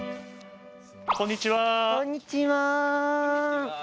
こんにちは。